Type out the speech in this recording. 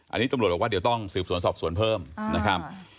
อันนี้ตำรวจบอกว่าเดี๋ยวต้องสืบสวนสอบสวนเพิ่มนะครับ